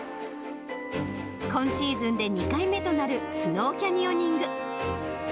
今シーズンで２回目となるスノーキャニオニング。